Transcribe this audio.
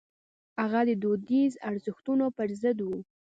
هغه د دودیزو ارزښتونو پر ضد و.